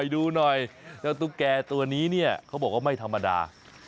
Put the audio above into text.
ดูหน่อยเจ้าตุ๊กแก่ตัวนี้เนี่ยเขาบอกว่าไม่ธรรมดา